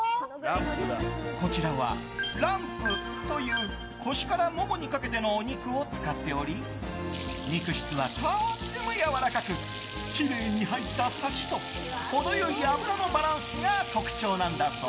こちらはランプという腰からももにかけてのお肉を使っており肉質はとてもやわらかくきれいに入ったサシと程良い脂のバランスが特徴なんだそう。